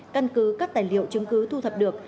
căn cứ các tài liệu chứng cứ thu thập được